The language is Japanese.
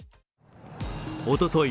おととい